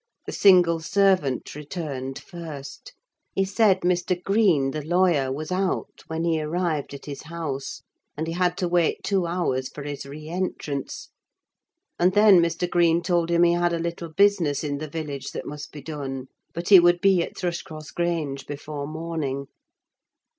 The single servant returned first. He said Mr. Green, the lawyer, was out when he arrived at his house, and he had to wait two hours for his re entrance; and then Mr. Green told him he had a little business in the village that must be done; but he would be at Thrushcross Grange before morning.